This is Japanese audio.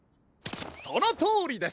そのとおりです！